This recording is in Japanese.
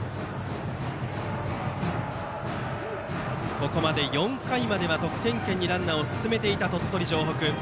ここまで４回までは得点圏にランナーを進めていた鳥取城北。